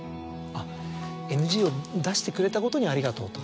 ＮＧを出してくれたことに「ありがとう」と。